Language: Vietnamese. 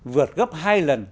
vượt gấp hai lần